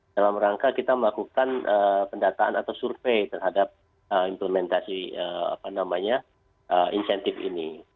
dalam rangka kita melakukan pendataan atau survei terhadap implementasi insentif ini